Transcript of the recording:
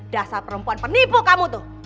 dasar perempuan penipu kamu tuh